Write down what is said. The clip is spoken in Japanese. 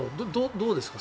どうですか？